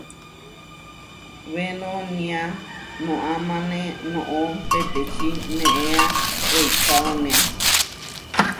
Weno niá noʼamáne noʼó peteči neéa weikaónea.